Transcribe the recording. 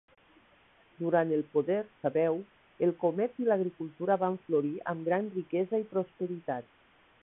Durant el poder sabeu, el comerç i l'agricultura van florir, amb gran riquesa i prosperitat.